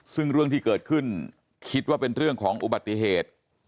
ซึ่งเรื่องที่เกิดขึ้นคิดว่าเป็นเรื่องของอุบัติเหตุ